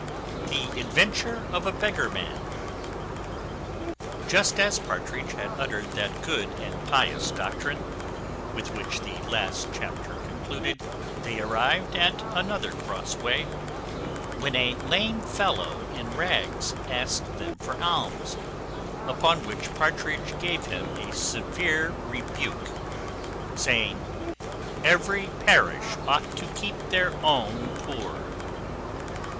The adventure of a beggar man. Just as Partridge had uttered that good and pious doctrine, with which the last chapter concluded, they arrived at another cross way, when a lame fellow in rags asked them for alms; upon which Partridge gave him a severe rebuke, saying, "Every parish ought to keep their own poor."